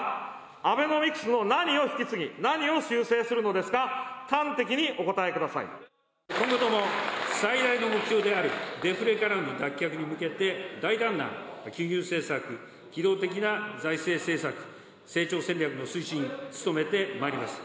アベノミクスの何を引き継ぎ、何を修正するのですか、端的にお答今後とも、最大の目標であるデフレからの脱却に向けて、大胆な金融政策、機動的な財政政策、成長戦略の推進に努めてまいります。